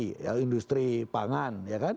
bahan industri industri pangan